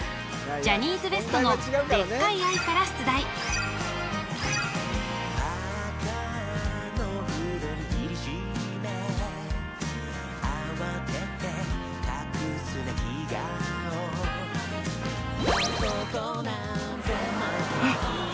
ジャニーズＷＥＳＴの「でっかい愛」から出題あっあっ